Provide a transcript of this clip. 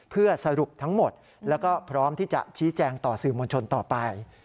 เพื่อสรุปทั้งหมดแล้วก็พร้อมที่จะชี้แจงต่อสื่อมวลชนต่อไป